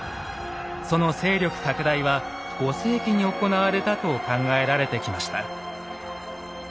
その勢力拡大は５世紀に行われたと考えられてきました。